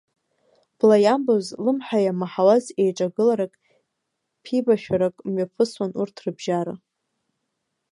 Бла иамбоз, лымҳа иамаҳауаз еиҿагыларак, ԥибашәарак мҩаԥысуан урҭ рыбжьара.